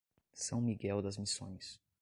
São Miguel das Missões